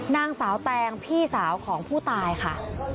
นางสาวแตงพี่สาวของผู้ตายค่ะ